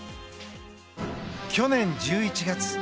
去年１１月。